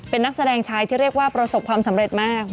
เป็นนักแสดงชายที่เรียกว่าประสบความสำเร็จมาก